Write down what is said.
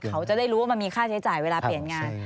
เขาจะได้รู้ว่ามันมีค่าใช้จ่ายเวลาเปลี่ยนงาน